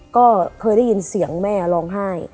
ก็เคยได้ยินเสียงแม่ร้องไห้